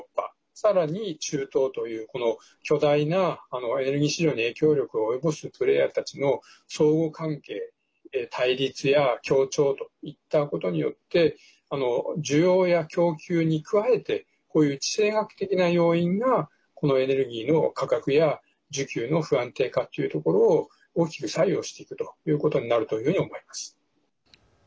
さらに中東という巨大なエネルギー市場に影響力を及ぼすプレーヤーたちの相互関係、対立や協調といったことによって需要や供給に加えてこういう地政学的な要因がこのエネルギーの価格や需給の不安定化というところを大きく左右をしていくということになると思います。